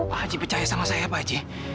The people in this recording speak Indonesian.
pak percaya sama saya pak